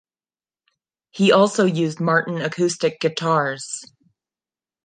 He also used Martin acoustic guitars.